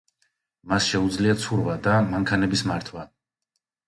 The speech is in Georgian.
მას შეუძლია ცურვა და მანქანების მართვა.